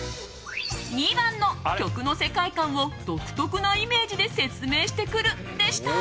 ２番の曲の世界観を独特なイメージで説明してくる、でした。